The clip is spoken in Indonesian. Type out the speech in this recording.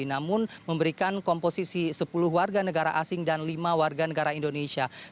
namun memberikan komposisi sepuluh warga negara asing dan lima warga negara indonesia